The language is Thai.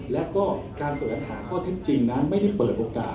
แล้วก็การแสวงหาข้อเท็จจริงนั้นไม่ได้เปิดโอกาส